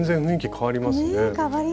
ねえ変わりますね。